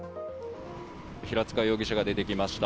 平塚容疑者が出てきました。